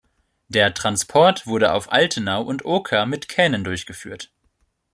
Der Transport wurde auf Altenau und Oker mit Kähnen durchgeführt.